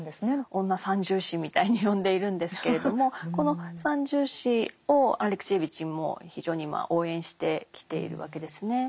女三銃士みたいに呼んでいるんですけれどもこの三銃士をアレクシエーヴィチも非常に応援してきているわけですね。